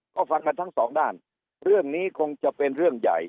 ก็ฟังกันทั้งสองด้านเรื่องนี้คงจะเป็นเรื่องใหญ่